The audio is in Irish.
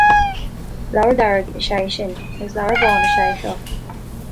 Leabhar dearg is ea é sin, agus leabhar bán is ea é seo